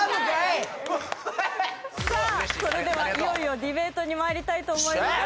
さあそれではいよいよディベートにまいりたいと思います